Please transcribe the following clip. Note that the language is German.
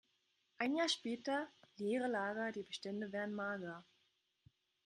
Ein Jahr später: Leere Lager, die Bestände werden mager.